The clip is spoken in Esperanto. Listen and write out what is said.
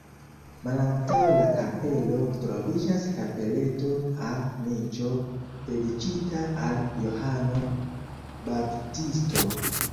Malantaŭ la kapelo troviĝas kapeleto aŭ niĉo dediĉita al Johano Baptisto.